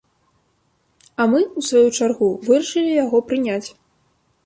А мы, у сваю чаргу, вырашылі яго прыняць.